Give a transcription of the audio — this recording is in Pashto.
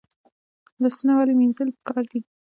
لاسونه ولې مینځل پکار دي؟